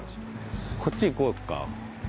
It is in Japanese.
こっち行こうか。